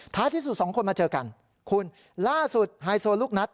ที่สุดสองคนมาเจอกันคุณล่าสุดไฮโซลูกนัด